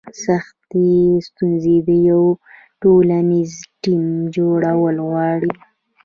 سختې ستونزې د یو ټولنیز ټیم جوړول غواړي.